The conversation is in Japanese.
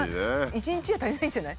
一日じゃ足りないんじゃない？